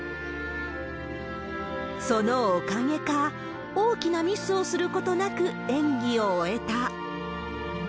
そのおかげか、大きなミスをすることなく演技を終えた。